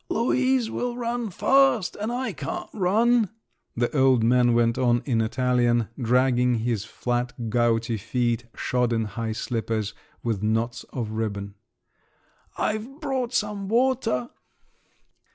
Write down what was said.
"Luise will run fast, and I can't run," the old man went on in Italian, dragging his flat gouty feet, shod in high slippers with knots of ribbon. "I've brought some water."